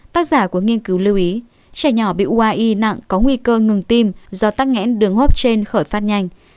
tác giả của nghiên cứu lưu ý trẻ nhỏ bị uai nặng có nguy cơ ngừng tim do tắc nghẽn đường hốp trên khởi phát nhanh